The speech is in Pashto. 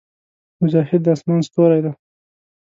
مجاهد د اسمان ستوری دی.